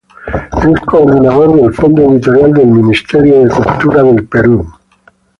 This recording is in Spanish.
Es coordinador del Fondo Editorial del Ministerio de Cultura del Perú.